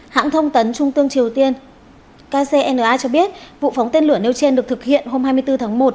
hãng thông tấn trung tương triều tiên kcna cho biết vụ phóng tên lửa nêu trên được thực hiện hôm hai mươi bốn tháng một